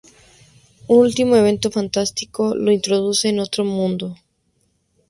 Un último evento fantástico lo introduce en otro mundo.